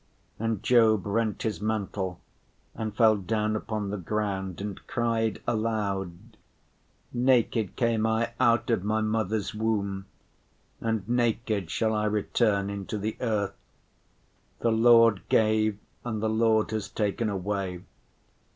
And Job rent his mantle and fell down upon the ground and cried aloud, "Naked came I out of my mother's womb, and naked shall I return into the earth; the Lord gave and the Lord has taken away.